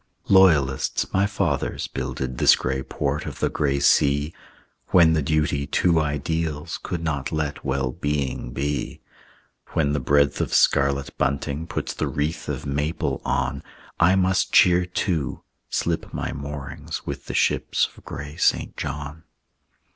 Loyalists, my fathers, builded This gray port of the gray sea, When the duty to ideals Could not let well being be. When the breadth of scarlet bunting Puts the wreath of maple on, I must cheer too, slip my moorings With the ships of gray St. John.